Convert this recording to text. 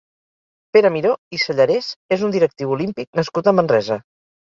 Pere Miró i Sellarés és un directiu olímpic nascut a Manresa.